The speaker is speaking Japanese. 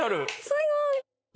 すごい。